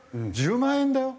１０万円だよ？